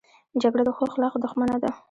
جګړه د ښو اخلاقو دښمنه ده